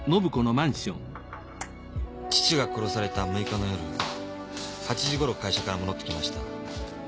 父が殺された６日の夜８時頃会社から戻ってきました。